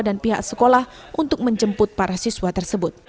dan pihak sekolah untuk menjemput para siswa tersebut